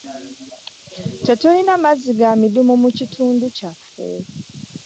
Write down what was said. Tetulina mazzi ga midumu mu kitundu kyaffe.